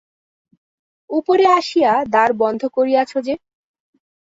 উপরে আসিয়া দ্বার বন্ধ করিয়াছ যে।